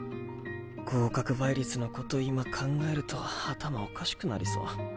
合格倍率のこと今考えると頭おかしくなりそう。